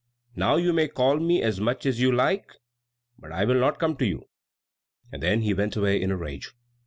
Now you may call me as much as you like, but I will not come to you," and then he went away in a rage.